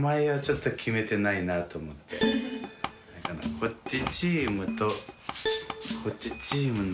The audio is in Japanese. こっちチームとこっちチームの。